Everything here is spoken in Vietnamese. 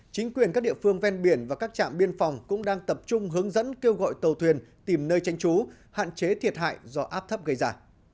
chính quyền các địa phương ven biển và các trạm biên phòng cũng đang tập trung hướng dẫn kêu gọi tàu thuyền tìm nơi tranh trú hạn chế thiệt hại do áp thấp gây ra